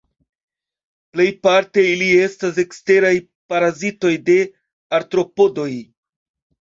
Plejparte ili estas eksteraj parazitoj de artropodoj.